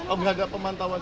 oh tidak ada pemantauan